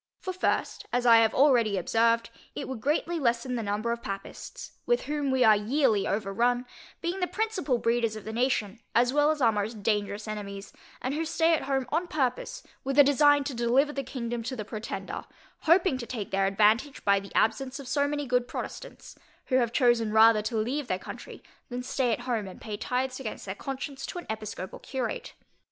For first, as I have already observed, it would greatly lessen the number of Papists, with whom we are yearly overrun, being the principal breeders of the nation, as well as our most dangerous enemies, and who stay at home on purpose with a design to deliver the kingdom to the Pretender, hoping to take their advantage by the absence of so many good Protestants, who have chosen rather to leave their country, than stay at home and pay tithes against their conscience to an episcopal curate.